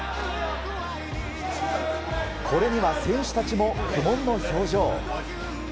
これには選手たちも苦悶の表情。